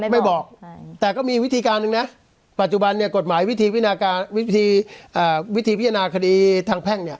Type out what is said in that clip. ไม่บอกแต่ก็มีวิธีการหนึ่งนะปัจจุบันเนี่ยกฎหมายวิธีวิธีพิจารณาคดีทางแพ่งเนี่ย